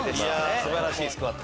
素晴らしいスクワット。